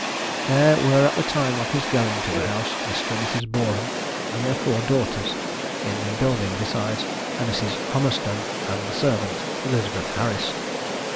There were at the time of his going to the house, Mr. and Mrs. Boreham and their four daughters in the building, besides a Mrs. Hummerstone and the servant, Elizabeth Harris.